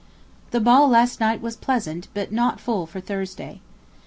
. The ball last night was pleasant, but not full for Thursday.